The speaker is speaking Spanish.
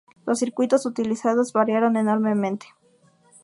Los circuitos utilizados variaron enormemente.